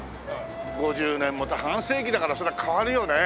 ５０年も半世紀だからそりゃ変わるよね。